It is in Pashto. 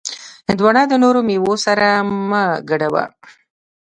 هندوانه د نورو میوو سره مه ګډوه.